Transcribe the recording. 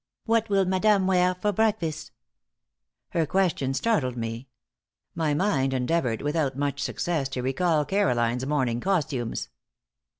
"What will madame wear for breakfast?" Her question startled me. My mind endeavored, without much success, to recall Caroline's morning costumes.